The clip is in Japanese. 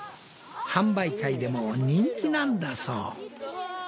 販売会でも人気なんだそう。